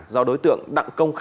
do đối tượng đặng công khai